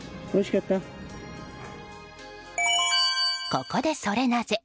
ここでソレなぜ？